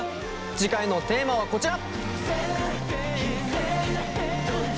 次回のテーマはこちら。